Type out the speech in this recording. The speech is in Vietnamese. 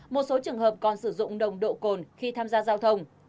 một số trường hợp còn sử dụng nồng độ cồn khi tham gia giao thông